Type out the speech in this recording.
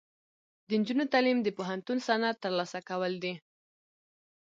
د نجونو تعلیم د پوهنتون سند ترلاسه کول دي.